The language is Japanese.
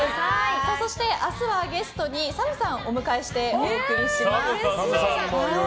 そして明日はゲストにＳＡＭさんをお迎えしてお送りします。